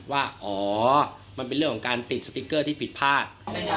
ว่าอ๋อมันเป็นเรื่องของการติดสติ๊กเกอร์ที่ผิดพลาด